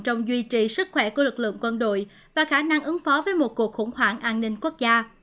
trong duy trì sức khỏe của lực lượng quân đội và khả năng ứng phó với một cuộc khủng hoảng an ninh quốc gia